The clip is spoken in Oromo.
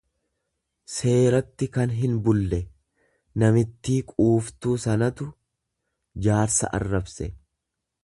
seeratti kan hinbulle; Namittii quuftuu sanatu jaarsa arrabse.